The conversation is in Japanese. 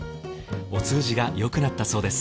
お通じがよくなったそうです